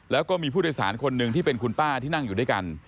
แล้วก็มีผู้โดยสารคนหนึ่งที่เป็นคุณป้าที่นั่งอยู่ด้วยกัน